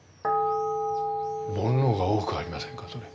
煩悩が多くありませんかそれ。